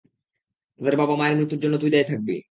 তাদের বাবা-মায়ের মৃত্যুর জন্য তুই দায়ী থাকবি।